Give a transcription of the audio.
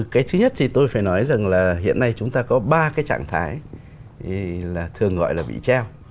cái thứ nhất thì tôi phải nói rằng là hiện nay chúng ta có ba cái trạng thái là thường gọi là bị treo